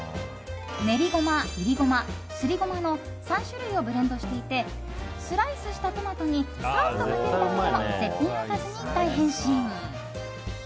練りゴマ、いりゴマ、すりゴマの３種類をブレンドしていてスライスしたトマトにさっとかけるだけでも絶品おかずに大変身。